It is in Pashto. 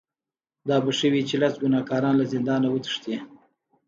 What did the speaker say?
دا به ښه وي چې لس ګناهکاران له زندانه وتښتي.